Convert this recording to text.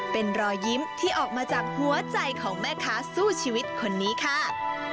เป็นรอยยิ้มที่ออกมาจากหัวใจของแม่ค้าสู้ชีวิตคนนี้ค่ะ